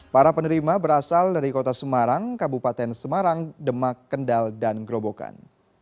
para penerima berasal dari kota semarang kabupaten semarang demak kendal dan gerobokan